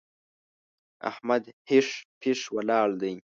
احمد هېښ پېښ ولاړ دی!